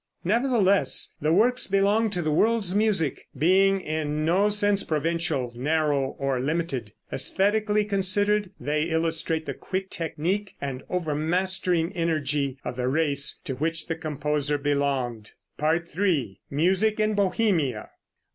Nevertheless, the works belong to the world's music, being in no sense provincial, narrow or limited. Æsthetically considered, they illustrate the quick technique and over mastering energy of the race to which the composer belonged. III. MUSIC IN BOHEMIA.